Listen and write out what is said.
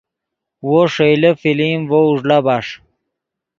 وو ݰئیلے فلم ڤؤ اوݱڑا بݰ